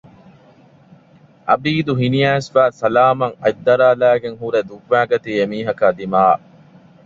އަބީދު ހިނިއައިސްފައި ސަލާމަށް އަތްދަރާލައިގެން ހުރެ ދުއްވައިގަތީ އެމީހަކާ ދިމާޔަށް